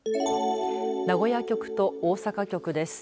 名古屋局と大阪局です。